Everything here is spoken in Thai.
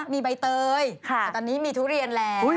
มีใบเตยแต่ตอนนี้มีทุเรียนแล้ว